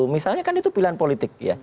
misalnya kan itu pilihan politik ya